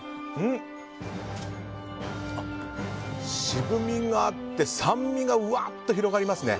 渋みがあって酸味がわっと広がりますね。